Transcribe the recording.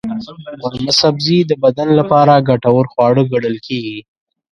قورمه سبزي د بدن لپاره ګټور خواړه ګڼل کېږي.